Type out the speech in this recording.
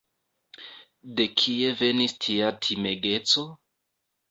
De kie venis tia timegeco?